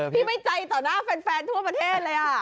ไม่ใจต่อหน้าแฟนทั่วประเทศเลย